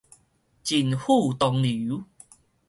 盡付東流